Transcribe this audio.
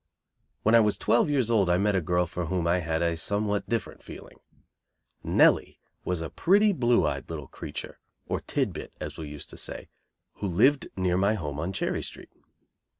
When I was twelve years old I met a little girl for whom I had a somewhat different feeling. Nellie was a pretty, blue eyed little creature, or "tid bit," as we used to say, who lived near my home on Cherry Street.